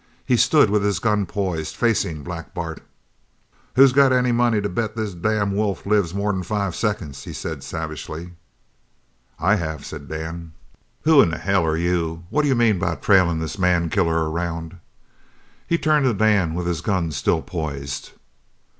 He stood with his gun poised, facing Black Bart. "Who's got any money to bet this damn wolf lives more'n five seconds?" he said savagely. "I have," said Dan. "Who in hell are you? What d'you mean by trailing this man killer around?" He turned to Dan with his gun still poised.